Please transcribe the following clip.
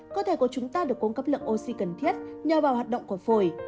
cơ thể của chúng ta được cung cấp lượng oxy cần thiết nhờ vào hoạt động của phổi